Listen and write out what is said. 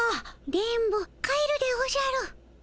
電ボ帰るでおじゃる。